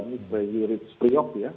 ini lebih rizk priok ya